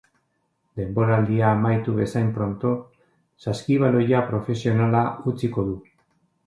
Denboraldia amaitu bezain pronto saskibaloia profesionala utziko du.